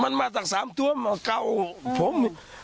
มันมาตั้ง๓ตัวมาเก่าผม